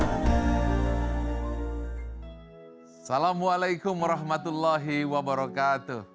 assalamualaikum warahmatullahi wabarakatuh